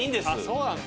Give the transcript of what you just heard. そうなんだ。